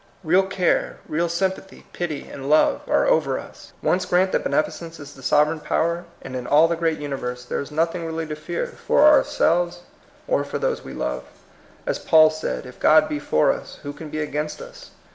Real care, real sympathy, pity, and love are over us. Once grant that Beneficence is the sovereign power, and in all the great uni verse there is nothing really to fear for ourselves or for those we love. As Paul said, ^^ If God be for us, who can be against us?"